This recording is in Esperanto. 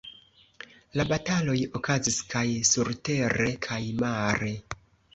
La bataloj okazis kaj surtere kaj mare.